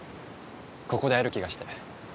ここで会える気がして。